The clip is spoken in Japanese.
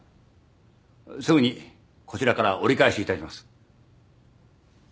すぐにこちらから折り返しいたします。